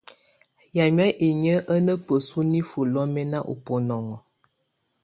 Yámɛ̀á inyǝ́ á ná bǝ́su nifuǝ́ lɔ́mɛ́na ú bunɔŋɔ.